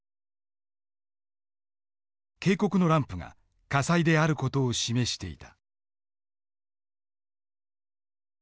警告のランプが火災である事を示していた。